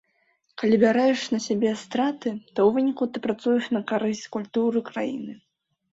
Калі бярэш на сябе страты, то ў выніку ты працуеш на карысць культуры краіны.